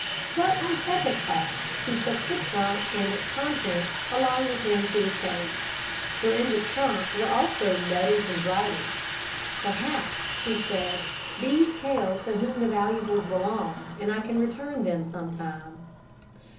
But on second thought he took the trunk and its contents along with him to his cave. For in the trunk were also letters and writings. "Perhaps," he said, "these tell to whom the valuables belong and I can return them some time."